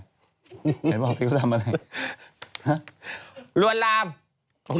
เห็นบอกสิเค้าทำอะไร